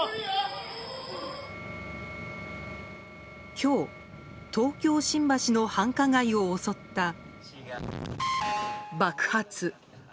今日、東京・新橋の繁華街を襲った爆発。